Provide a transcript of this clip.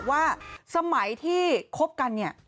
ว่าสมัยที่คบกันเนี่ย